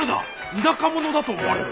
田舎者だと思われる。